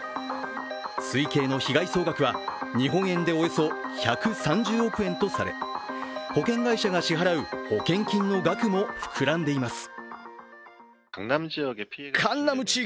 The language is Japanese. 推計の被害総額は、日本円でおよそ１３０億円とされ、保険会社が支払う保険金の額も膨らんでいます。